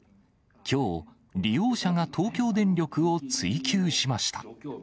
きょう、利用者が東京電力を追及しました。